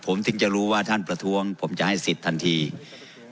ผมจงจะรู้ว่าท่านประธวงผมจะให้สิทธิภาพพิงทันที